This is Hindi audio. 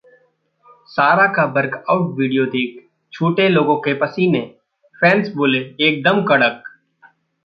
सारा का वर्कआउट वीडियो देख छूटे लोगों के पसीने, फैन्स बोले- एक दम कड़क